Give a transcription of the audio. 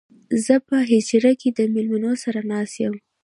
زه په حجره کې د مېلمنو سره ناست يم